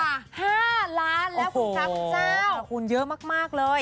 ๕ล้านแล้วคุณครับคุณเจ้าขอบคุณเยอะมากเลย